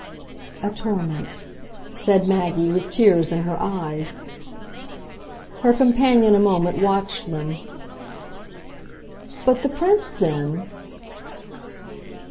"A torment," said Maggie with tears in her eyes. Her companion a moment watched them. "But the Prince then